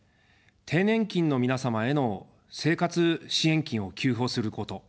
低年金の皆様への生活支援金を給付をすること。